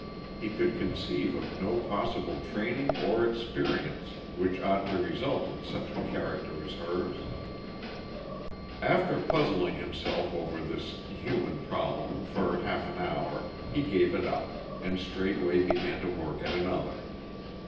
He could conceive of no possible training or experience which ought to result in such a character as hers. [Illustration: THE RIVULETS OF BLUE BLOOD.] After puzzling himself over this human problem for half an hour he gave it up, and straightway began to work at another.